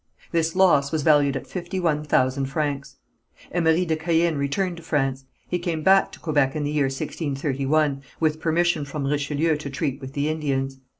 This loss was valued at fifty one thousand francs. Emery de Caën returned to France. He came back to Quebec in the year 1631, with permission from Richelieu to treat with the Indians.